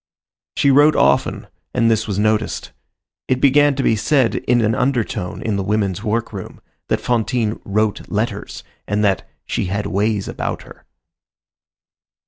She wrote often, and this was noticed. It began to be said in an undertone, in the women's workroom, that Fantine "wrote letters" and that "she had ways about her."